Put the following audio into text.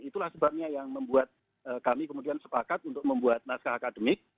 itulah sebabnya yang membuat kami kemudian sepakat untuk membuat naskah akademik